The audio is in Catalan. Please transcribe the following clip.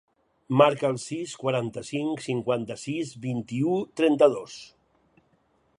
Marca el sis, quaranta-cinc, cinquanta-sis, vint-i-u, trenta-dos.